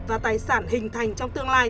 và tài sản hình thành trong tương lai